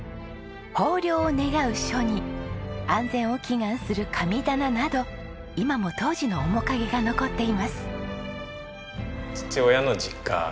豊漁を願う書に安全を祈願する神棚など今も当時の面影が残っています。